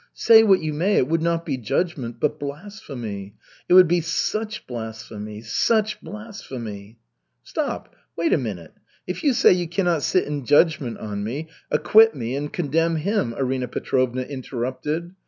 Say what you may, it would not be judgment but blasphemy. It would be such blasphemy, such blasphemy " "Stop, wait a minute. If you say you cannot sit in judgment on me, acquit me and condemn him," Arina Petrovna interrupted.